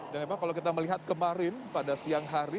dan memang kalau kita melihat kemarin pada siang hari